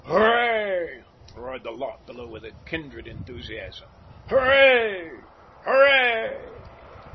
"Horray!" roared the lot below with a kindred enthusiasm, "Horray! Horray!"